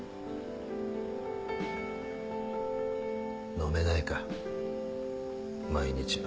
飲めないか毎日は。